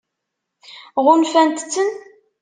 Ɣunfant-ten?